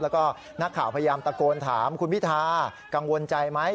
แล้วก็นักข่าวพยายามตะโกนถามคุณพิธากังวลใจไหม